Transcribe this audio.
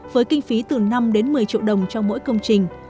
với kinh phí từ năm đến một mươi triệu đồng cho mỗi công trình